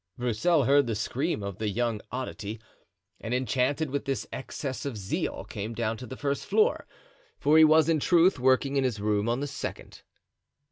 Broussel heard the scream of the young oddity, and, enchanted with this excess of zeal, came down to the first floor, for he was, in truth, working in his room on the second.